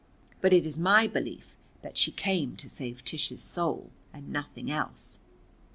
But it is my belief that she came to save Tish's soul, and nothing else.